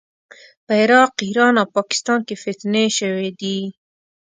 په عراق، ایران او پاکستان کې فتنې شوې دي.